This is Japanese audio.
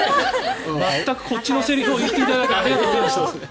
全くこっちのセリフを言っていただいてありがとうございます。